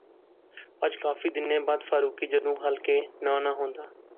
اج کافی دنیں بعد فاروقیں جدوں خالقے ناں ناں ہندا